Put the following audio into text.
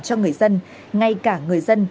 cho người dân ngay cả người dân